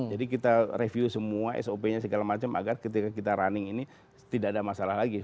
kita review semua sop nya segala macam agar ketika kita running ini tidak ada masalah lagi